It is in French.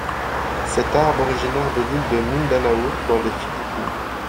Cet arbre originaire de l'île de Mindanao dans les Philippines.